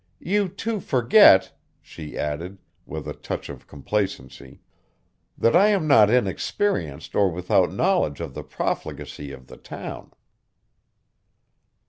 You too forget," she added, with a touch of complacency, "that I am not inexperienced or without knowledge of the profligacy of the town."